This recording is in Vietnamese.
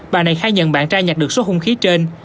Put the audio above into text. bà này khai nhận bạn trai nhặt được số hung khí trên